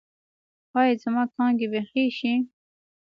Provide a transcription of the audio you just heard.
ایا زما کانګې به ښې شي؟